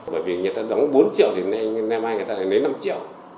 bởi vì người ta đóng bốn triệu thì ngày mai người ta lại lấy năm triệu